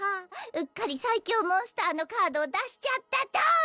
うっかり最強モンスターのカードを出しちゃったトン！